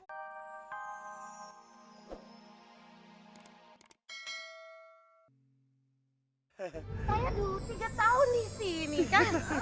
saya dua tiga tahun disini kan